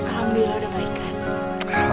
alhamdulillah udah baik kan